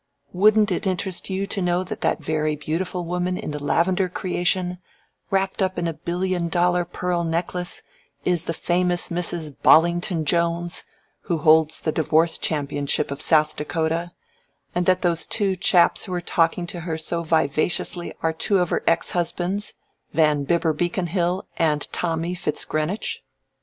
Wouldn't it interest you to know that that very beautiful woman in the lavender creation, wrapped up in a billion dollar pearl necklace, is the famous Mrs. Bollington Jones, who holds the divorce championship of South Dakota, and that those two chaps who are talking to her so vivaciously are two of her ex husbands, Van Bibber Beaconhill and 'Tommy' Fitz Greenwich?